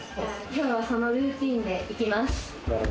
今日は、そのルーティンで行きます。